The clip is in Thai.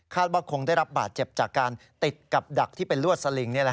ว่าคงได้รับบาดเจ็บจากการติดกับดักที่เป็นลวดสลิง